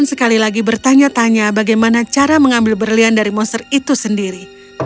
sekali lagi bertanya tanya bagaimana cara mengambil berlian dari monster itu sendiri